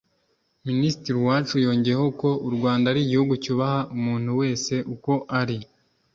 Minisitiri Uwacu yongeyeho ko u Rwanda ari igihugu cyubaha umuntu wese uko ari